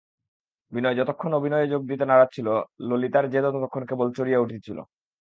বিনয় যতক্ষণ অভিনয়ে যোগ দিতে নারাজ ছিল ললিতার জেদও ততক্ষণ কেবলই চড়িয়া উঠিতেছিল।